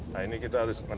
nah ini kita harus